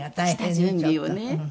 下準備をね。